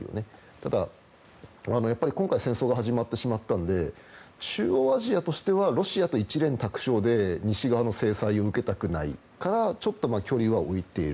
ただ、今回戦争が始まってしまったので中央アジアとしてはロシアと一蓮托生で西側の制裁を受けたくないからちょっと距離は置いている。